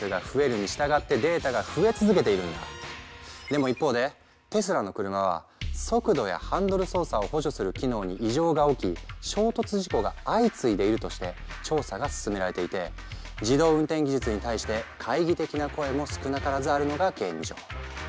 でも一方でテスラの車は速度やハンドル操作を補助する機能に異常が起き衝突事故が相次いでいるとして調査が進められていて自動運転技術に対して懐疑的な声も少なからずあるのが現状。